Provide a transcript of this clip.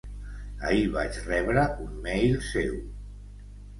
Ahir vaig rebre un mail seu.